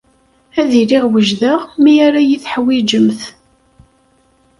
Ad iliɣ wejdeɣ mi ara iyi-teḥwijemt.